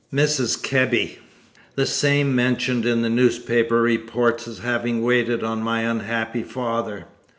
"Mrs. Kebby." "The same mentioned in the newspaper reports as having waited on my unhappy father?"